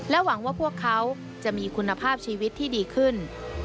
หวังว่าพวกเขาจะมีคุณภาพชีวิตที่ดีขึ้น